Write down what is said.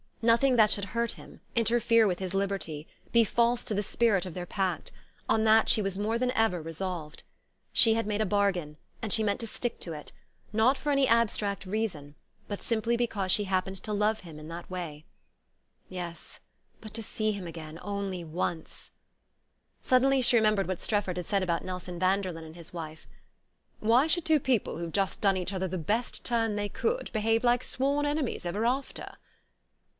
Nothing that should hurt him, interfere with his liberty, be false to the spirit of their pact: on that she was more than ever resolved. She had made a bargain, and she meant to stick to it, not for any abstract reason, but simply because she happened to love him in that way. Yes but to see him again, only once! Suddenly she remembered what Strefford had said about Nelson Vanderlyn and his wife. "Why should two people who've just done each other the best turn they could behave like sworn enemies ever after?"